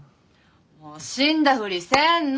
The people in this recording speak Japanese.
もう死んだふりせんの！